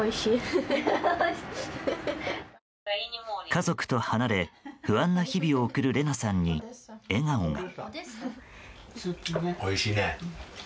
家族と離れ、不安な日々を送るレナさんに笑顔が。